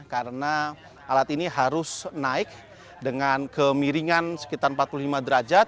karena alat ini harus naik dengan kemiringan sekitar empat puluh lima derajat